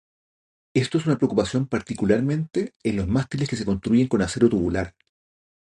Esto es una preocupación particularmente en los mástiles que se construyen con acero tubular.